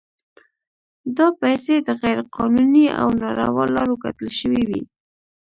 دا پیسې د غیر قانوني او ناروا لارو ګټل شوي وي.